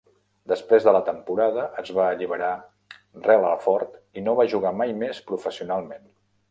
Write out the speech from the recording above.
Després de la temporada, es va alliberar Relaford i no va jugar mai més professionalment.